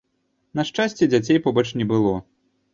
На шчасце, дзяцей побач не было.